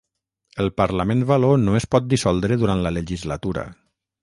El Parlament való no es pot dissoldre durant la legislatura.